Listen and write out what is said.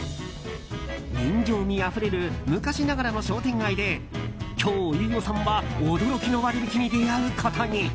人情味あふれる昔ながらの商店街で今日、飯尾さんは驚きの割引に出会うことに。